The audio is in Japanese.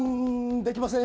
できませーん！